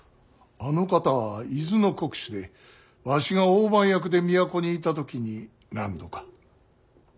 あの方は伊豆の国主でわしが大番役で都にいた時に何度か。